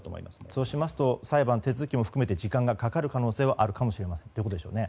相しますと裁判の手続きも含めて時間がかかる可能性があるということですね。